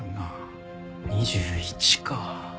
２１か。